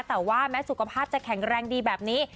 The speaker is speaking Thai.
แต่ว่าแม้สุขภาพจะแข็งแรงดีแบบนี้